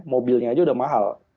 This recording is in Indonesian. mobilnya aja udah mahal